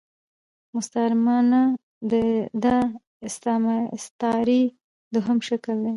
مستعارمنه د ا ستعارې دوهم شکل دﺉ.